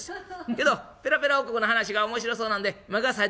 けどペラペラ王国の話が面白そうなんで目がさえてきました」。